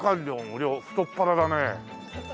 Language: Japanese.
太っ腹だね。